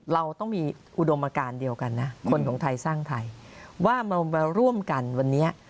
เราต้องมีอุดมการเดียวกันนะคนของไทยสร้างไทยว่ามาร่วมกันวันนี้